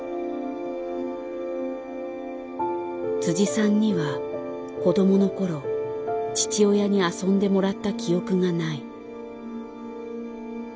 さんには子どもの頃父親に遊んでもらった記憶がない。